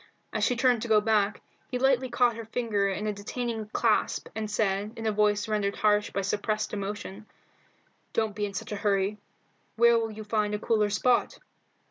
As she turned to go back, he lightly caught her fingers in a detaining clasp, and said, in a voice rendered harsh by suppressed emotion "Don't be in such a hurry. Where will you find a cooler spot?"